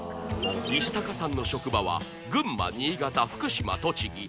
石高さんの職場は群馬新潟福島栃木